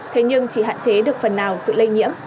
thế nhưng chỉ hạn chế được phần nào sự lây nhiễm